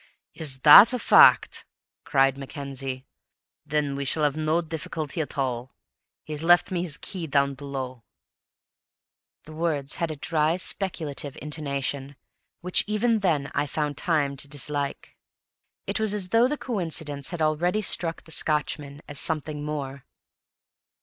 "Is that a fact?" cried Mackenzie. "Then we shall have no difficulty at all. He's left me his key down below." The words had a dry, speculative intonation, which even then I found time to dislike; it was as though the coincidence had already struck the Scotchman as something more.